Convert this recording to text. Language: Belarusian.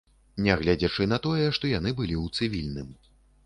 Нягледзячы на тое, што яны былі ў цывільным.